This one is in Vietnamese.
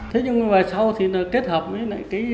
thế nhưng mà sau thì kết hợp với